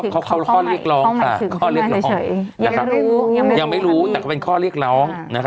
เขาเรียกร้องค่ะยังไม่รู้แต่ก็เป็นข้อเรียกร้อง